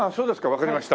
わかりました。